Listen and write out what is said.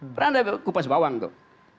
karena anda kupas bawang tuh